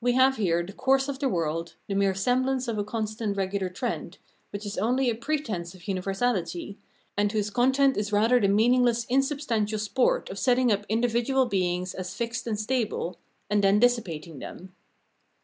We have here the Course of tJie World, the mere semblance of a constant regular trend, which is only a pretence of universahty, and whose content is rather the meaningless insubstantial sport of setting up individual beings as fixed and stable, and then dissipating them.